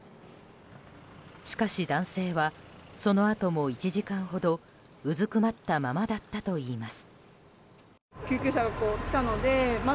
しかし、男性はそのあとも１時間ほどうずくまったままだったといいます。